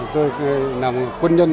tôi là một quân nhân